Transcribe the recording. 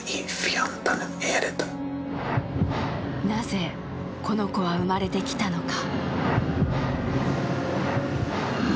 なぜ、この子は生まれてきたのか。